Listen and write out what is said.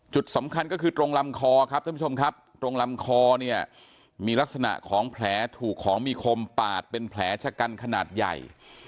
จุดสำคัญก็คือตรงลำคอครับท่านผู้ชมครับตรงลำคอเนี่ยมีลักษณะของแผลถูกของมีคมปาดเป็นแผลชะกันขนาดใหญ่